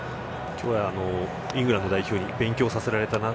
今日はイングランド代表に勉強させられた